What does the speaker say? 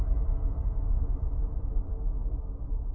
โปรดติดตามตอนต่อไป